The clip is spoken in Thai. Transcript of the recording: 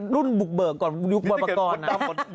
รุ่นบุกเบิกก่อนยุคบอร์ปกรณ์นะ